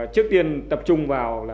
trước tiên tập trung vào